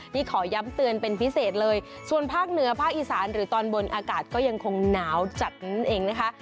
นี่ขอย้ำเตือนเป็นพิเศษเลยส่วนภาคเหนือภาคอีสานหรือตอนบนอากาศก็ยังคงหนาวจัดนั่นเองนะคะ